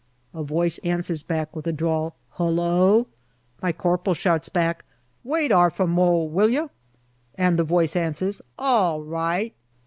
A voice answers back with a drawl, " Hullo "; my corporal shouts back, " Wait 'arf a mo, will yer ?" and the voice answers " A all ri ight."